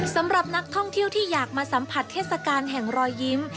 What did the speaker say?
สำหรับนักท่องเที่ยวที่อยากมาสัมผัสเทศกาลแห่งรอยยิ้ม